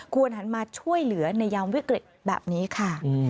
หันมาช่วยเหลือในยามวิกฤตแบบนี้ค่ะ